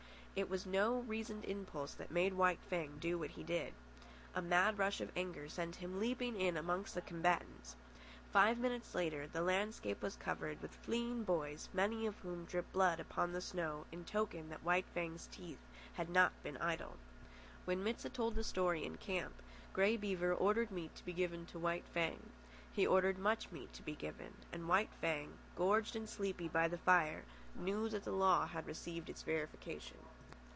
It was no reasoned impulse that made White Fang do what he then did. A mad rush of anger sent him leaping in amongst the combatants. Five minutes later the landscape was covered with fleeing boys, many of whom dripped blood upon the snow in token that White Fang's teeth had not been idle. When Mit sah told the story in camp, Grey Beaver ordered meat to be given to White Fang. He ordered much meat to be given, and White Fang, gorged and sleepy by the fire, knew that the law had received its verification.